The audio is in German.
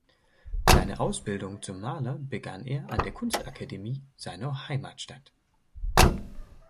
Seine Ausbildung zum Maler begann er an der Kunstakademie seiner Heimatstadt.